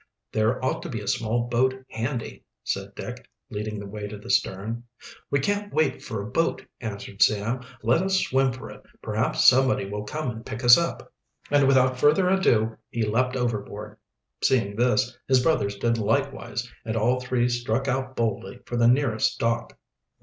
"There ought to be a small boat handy," said Dick, leading the way to the stern. "We can't wait for a boat," answered Sam. "Let us swim for it. Perhaps somebody will come and pick us up." And without further ado he leaped overboard. Seeing this, his brothers did likewise, and all three struck out boldly for the nearest dock.